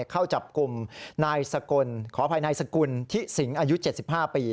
เข้าจับกลุ่มนายสกลขออภัยนายสกุลทิสิงอายุ๗๕ปี